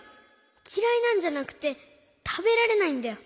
きらいなんじゃなくてたべられないんだよ。